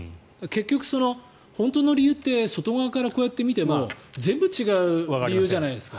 結局、本当の理由って外側からこうやって見ても全部違う理由じゃないですか。